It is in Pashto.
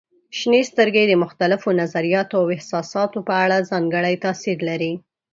شنې سترګې د مختلفو نظریاتو او احساساتو په اړه ځانګړی تاثير لري.